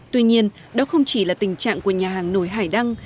tuy nhiên đó không chỉ là tình trạng của nhà hàng nổi hải đăng